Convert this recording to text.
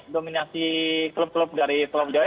dominasi klub klub dari pulau jawa